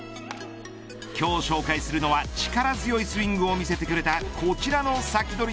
今日紹介するのは力強いスイングを見せてくれたこちらのサキドリ！